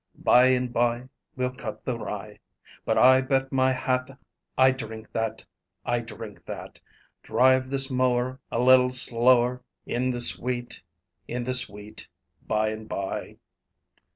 By and by, we'll cut the rye, But I bet my hat I drink that, I drink that. Drive this mower a little slower, In this wheat, in this wheat, by and by."